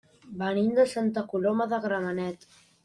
Venim de Santa Coloma de Gramenet.